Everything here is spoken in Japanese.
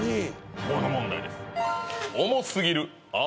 この問題です